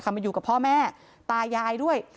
มาอยู่กับพ่อแม่ตายายด้วย